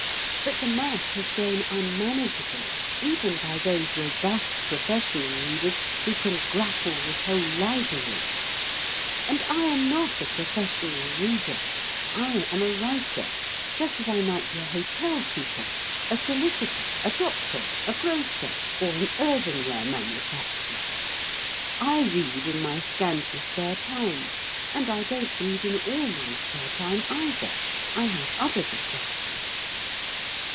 But the mass has grown unmanageable, even by those robust professional readers who can "grapple with whole libraries." And I am not a professional reader. I am a writer, just as I might be a hotel keeper, a solicitor, a doctor, a grocer, or an earthenware manufacturer. I read in my scanty spare time, and I don't read in all my spare time, either. I have other distractions.